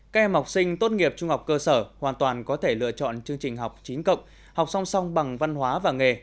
các em học sinh tốt nghiệp trung học cơ sở hoàn toàn có thể lựa chọn chương trình học chín cộng học song song bằng văn hóa và nghề